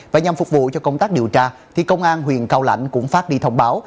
và nhằm phục vụ cho công tác điều tra thì công an huyện cao lãnh cũng phát đi thông báo